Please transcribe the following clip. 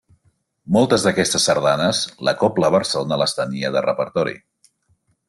Moltes d'aquestes sardanes la Cobla Barcelona les tenia de repertori.